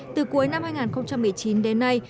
từ cuối năm hai nghìn một mươi chín đến nay